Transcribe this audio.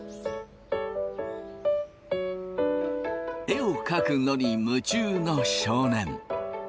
絵を描くのに夢中の少年。